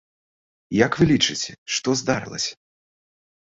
Як вы лічыце, што здарылася?